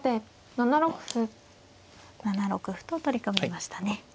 ７六歩と取り込みましたね。